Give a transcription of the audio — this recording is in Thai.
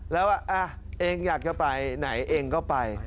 แล้วเองอยากจะไปไหนเองก็ไป